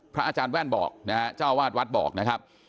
พระอาจารย์แว่นบอกนะฮะเจ้าวาดวัดบอกนะครับ